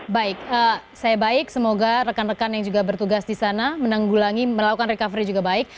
baik saya baik semoga rekan rekan yang juga bertugas di sana menanggulangi melakukan recovery juga baik